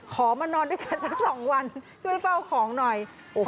มานอนด้วยกันสัก๒วันช่วยเฝ้าของหน่อย